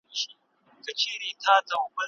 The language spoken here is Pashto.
هغه اړتیا چي نارینه یې لري مینه بلل کیږي.